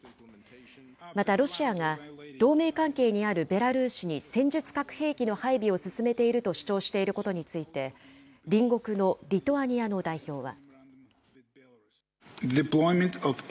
またロシアが同盟関係にあるベラルーシに戦術核兵器の配備を進めていると主張していることについて、隣国のリトアニアの代表は。